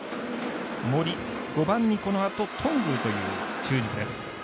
森、５番に、このあと頓宮という中軸です。